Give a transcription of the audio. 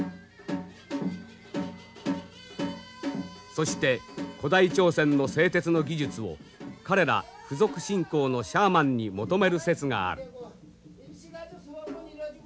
そして古代朝鮮の製鉄の技術を彼ら巫俗信仰のシャーマンに求める説がある。